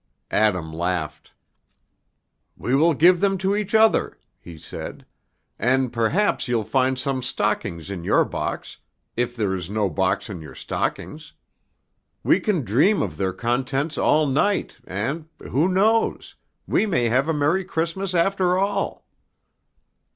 Adam laughed. "We will give them to each other," he said, "and perhaps you'll find some stockings in your box, if there is no box in your stockings. We can dream of their contents all night, and who knows? we may have a merry Christmas, after all."